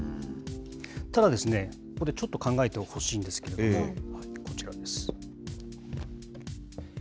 ただ、ここでちょっと考えてほしいんですけれども、こちらです。